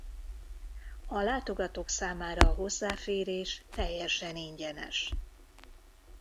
A látogatók számára a hozzáférés teljesen ingyenes.